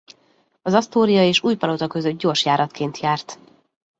Az Astoria és Újpalota között gyorsjáratként járt.